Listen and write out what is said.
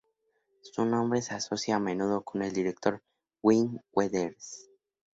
Su nombre se asocia a menudo con el director Wim Wenders.